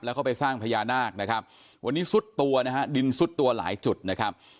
แล้วก็ไปสร้างพญานาคนะครับวันนี้ซุดตัวนะฮะดินซุดตัวหลายจุดนะครับ